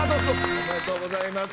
おめでとうございます。